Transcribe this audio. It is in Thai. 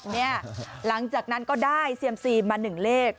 หลังจากนั้นก็ได้เซียมซีมา๑เลข